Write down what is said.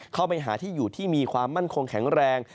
เข้าไปหาที่อยู่ที่มีความมั่นคงแข็งแรง